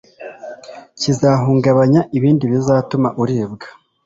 kizahungabanya ibindi bizatuma uribwa.